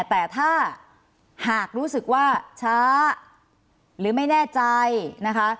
แต่ถ้าหากรู้สึกว่าช้าหรือไม่แน่ใจนะคะ